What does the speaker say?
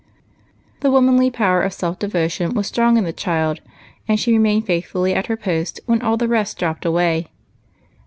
Tlie womanly power of self devotion was strong in the child, and she remained faithfully at her post when all the rest dropped away.